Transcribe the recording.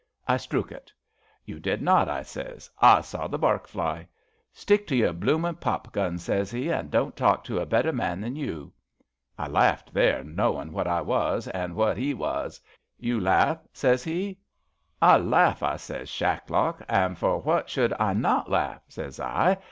* I strook it.' * You did not,' I sez, * I saw the bark fly.' * Stick to your bloomin' pop guns,' sez 'e, * an' don't talk to a better man than you.' I laughed there, knowin' what X was an' what 'e was. * You laugh? ' sez he. ' I laugh,' I sez, * Shacklock, an' for what should I not laugh? ' sez I.